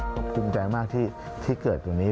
ภูมิใจมากที่เกิดตรงนี้